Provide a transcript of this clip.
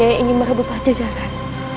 yang ingin merebut pada jajaran